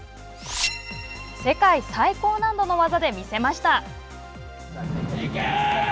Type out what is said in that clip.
世界最高難度の技でみせました！